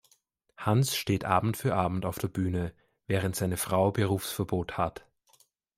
Hans steht Abend für Abend auf der Bühne, während seine Frau Berufsverbot hat.